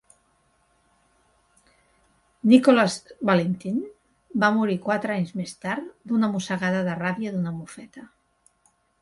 Nicholas Valentin va morir quatre anys més tard d'una mossegada de ràbia d'una mofeta.